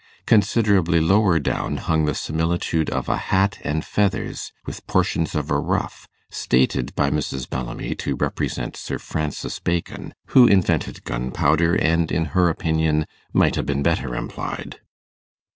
Considerably lower down hung the similitude of a hat and feathers, with portions of a ruff, stated by Mrs. Bellamy to represent Sir Francis Bacon, who invented gunpowder, and, in her opinion, 'might ha' been better emplyed.